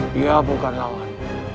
dia bukan lawan